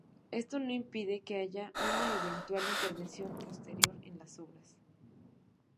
Esto no impide que haya una eventual intervención posterior en las obras.